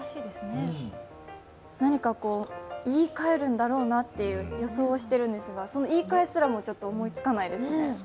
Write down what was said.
何か言い換えるんだろうなという予想はしているんですがその言い換えすらもちょっと思いつかないですね。